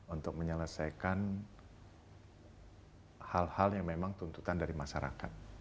untuk menyelesaikan hal hal yang memang tuntutan dari masyarakat